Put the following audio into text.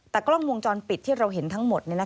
แต่กล้องวงจรปิดที่เราเห็นทั้งหมด